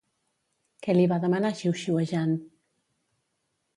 Què li va demanar xiuxiuejant?